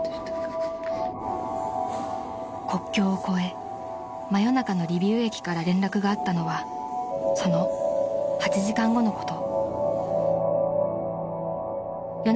［国境を越え真夜中のリビウ駅から連絡があったのはその８時間後のこと］